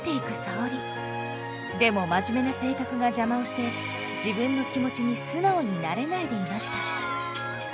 でも真面目な性格が邪魔をして自分の気持ちに素直になれないでいました。